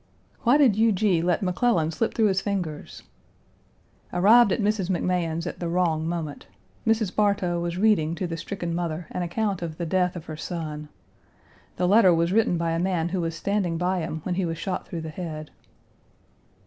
Why did Huger let McClellan slip through his fingers? Arrived at Mrs. McMahan's at the wrong moment. Mrs. Bartow was reading to the stricken mother an account of the death of her son. The letter was written by a man who was standing by him when he was shot through the head.